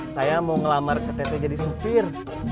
saya mau ngelamar ke teteh jadi supir